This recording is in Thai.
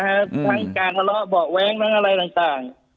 ทั้งการทะเลาะเบาะแว้งทั้งอะไรต่าง